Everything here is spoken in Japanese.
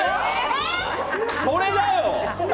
それだよ！